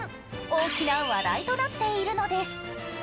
大きな話題となっているんです。